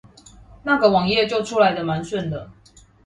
那個網頁就出來的蠻順了